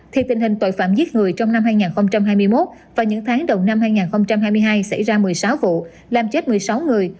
thì tình hình tội phạm giết người trong năm hai nghìn hai mươi một và những tháng đầu năm hai nghìn hai mươi hai xảy ra một mươi sáu vụ làm chết một mươi sáu người